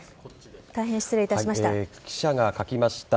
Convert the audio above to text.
大変失礼いたしました。